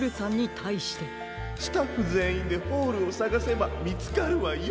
かいそうスタッフぜんいんでホールをさがせばみつかるわよ。